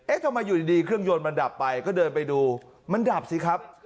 ทำไมอยู่ดีเครื่องยนต์มันดับไปก็เดินไปดูมันดับสิครับ